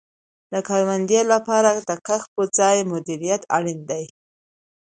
د کروندې لپاره د کښت په ځای مدیریت اړین دی.